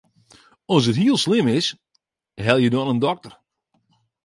As it hiel slim is, helje dan in dokter.